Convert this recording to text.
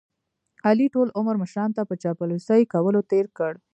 علي ټول عمر مشرانو ته په چاپلوسۍ کولو تېر کړ.